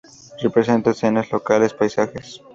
Representa escenas locales, paisajes.